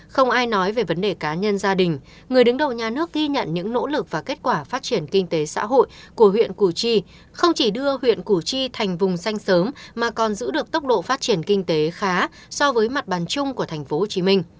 không ai nói về vấn đề cá nhân gia đình người đứng đầu nhà nước ghi nhận những nỗ lực và kết quả phát triển kinh tế xã hội của huyện củ chi không chỉ đưa huyện củ chi thành vùng xanh sớm mà còn giữ được tốc độ phát triển kinh tế khá so với mặt bàn chung của tp hcm